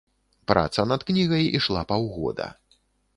Праца над кнігай ішла паўгода.